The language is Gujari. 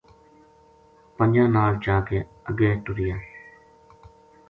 پنجاں نال چا کے اگے ٹریا۔